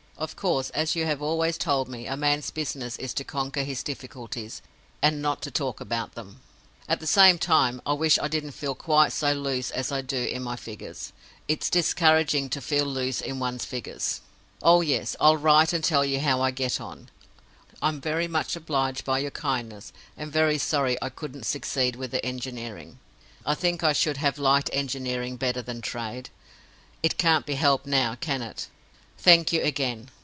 Of course, as you have always told me, a man's business is to conquer his difficulties, and not to talk about them. At the same time, I wish I didn't feel quite so loose as I do in my figures. It's discouraging to feel loose in one's figures.—Oh, yes; I'll write and tell you how I get on. I'm very much obliged by your kindness, and very sorry I couldn't succeed with the engineering. I think I should have liked engineering better than trade. It can't be helped now, can it? Thank you, again.